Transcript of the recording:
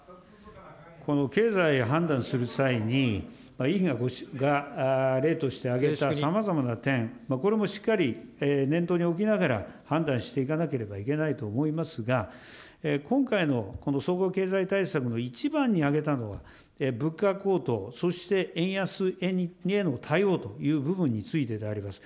この経済を判断する際に、委員が例として挙げたさまざまな点、これもしっかり念頭に置きながら判断していかなければいけないと思いますが、今回のこの総合経済対策の一番に挙げたのは、物価高騰、そして円安への対応という部分についてであります。